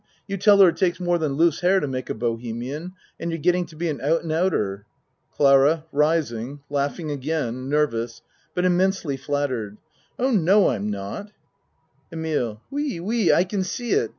You tell her it takes more than loose hair to make a bohemian and you're getting to be an out and outer. CLARA (Rising, laughing again nervous but immensely flattered.) Oh, no, I'm not. EMILE Oui oui I can see it.